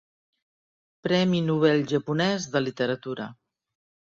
Premi Nobel japonès de literatura.